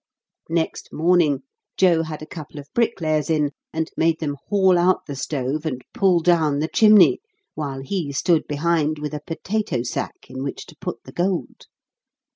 Next morning, Joe had a couple of bricklayers in, and made them haul out the stove and pull down the chimney, while he stood behind with a potato sack in which to put the gold.